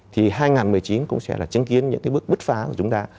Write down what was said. thì hai nghìn một mươi chín cũng sẽ là chứng kiến những cái bước bứt phá của chúng ta